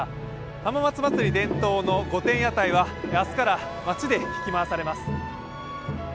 浜松まつり伝統の御殿屋台は明日から街で引きまわされます。